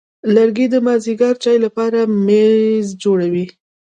لرګی د مازېګر چای لپاره میز جوړوي.